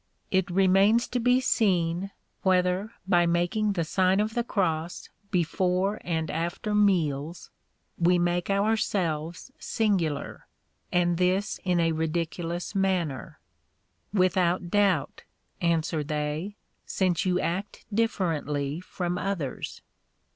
It remains to be seen, whether by making the Sign of the Cross before and after meals, we make our selves singular, and this in a ridiculous man ner. "Without doubt," answer they, "since you act differently from others."